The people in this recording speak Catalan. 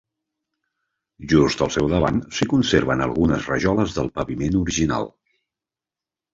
Just al seu davant, s'hi conserven algunes rajoles del paviment original.